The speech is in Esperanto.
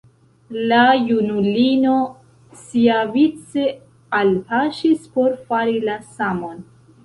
La junulino siavice alpaŝis por fari la samon.